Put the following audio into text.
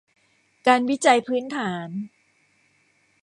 การวิจัยพื้นฐาน